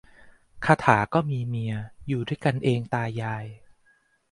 คาถาก็มีเมีย อยู่ด้วยกันเองตายาย